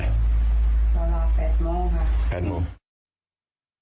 เวลา๘โมงครับ